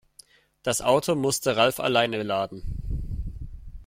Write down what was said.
Das Auto musste Ralf alleine laden.